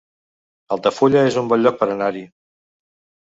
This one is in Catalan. Altafulla es un bon lloc per anar-hi